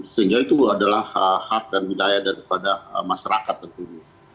sehingga itu adalah hak dan wilayah daripada masyarakat tentunya